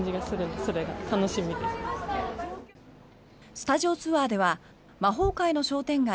スタジオツアーでは魔法界の商店街